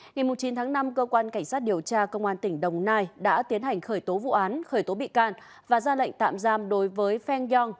ngày chín tháng năm cơ quan cảnh sát điều tra công an tỉnh đồng nai đã tiến hành khởi tố vụ án khởi tố bị can và ra lệnh tạm giam đối với feng yong